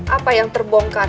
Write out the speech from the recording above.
apa yang terbongkar